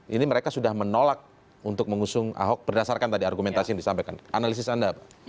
ini mereka sudah menolak untuk mengusung ahok berdasarkan tadi argumentasi yang disampaikan analisis anda pak